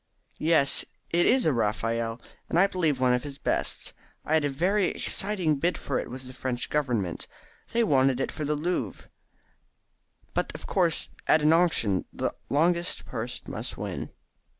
"Yes, it is a Raphael, and I believe one of his best. I had a very exciting bid for it with the French Government. They wanted it for the Louvre, but of course at an auction the longest purse must win."